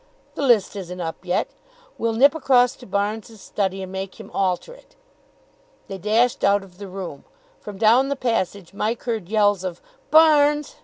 "The list isn't up yet. We'll nip across to Barnes' study, and make him alter it." They dashed out of the room. From down the passage Mike heard yells of "Barnes!"